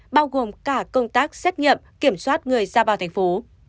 bao gồm cả công tác xét nghiệm kiểm soát người ra vào thành phố